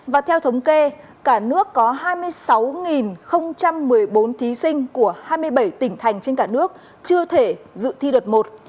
và theo thống kê cả nước có hai mươi sáu một mươi bốn thí sinh của hai mươi bảy tỉnh thành trên cả nước chưa thể dự thi đợt một